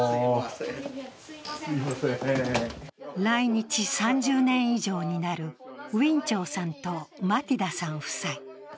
来日３０年以上になるウィン・チョウさんとマティダさん夫妻。